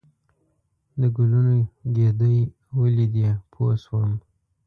د ګلونو ګېدۍ ولیدې پوه شوم.